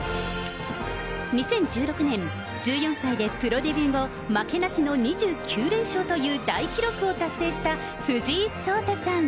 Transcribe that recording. ２０１６年、１４歳でプロデビュー後、負けなしの２９連勝という大記録を達成した藤井聡太さん。